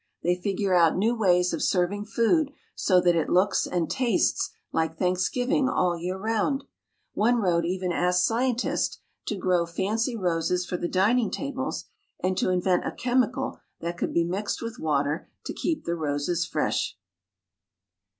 They figure out new ways of serving food so that it looks and tastes like Thanksgiving all year round. One road even asked scientists to grow fancy roses for the dining tables and to invent a chemical that could be mixed with water to keep the roses fresh!